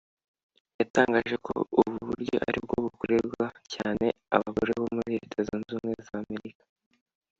yatangaje ko ubu buryo aribwo bukorerwa cyane abagore bo muri Leta Zunze Ubumwe za Amerika